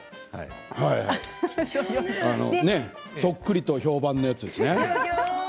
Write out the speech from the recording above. そっくりと評判のやつですね。